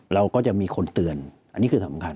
เราก็จะมีคนเตือนอันนี้คือสำคัญ